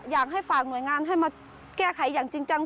อยากให้ฝากหน่วยงานให้มาแก้ไขอย่างจริงจัง